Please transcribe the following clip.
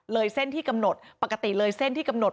เส้นที่กำหนดปกติเลยเส้นที่กำหนด